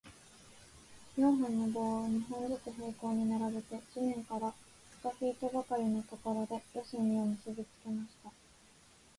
四本の棒を、二本ずつ平行に並べて、地面から二フィートばかりのところで、四隅を結びつけました。